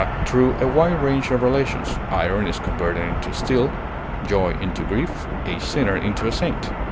through a wide range of relations; iron is converted into steel, joy into grief, a sinner into a saint.